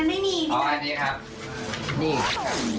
อันนี้ไม่มี